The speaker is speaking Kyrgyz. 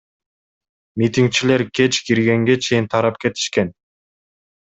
Митингчилер кеч киргенге чейин тарап кетишкен.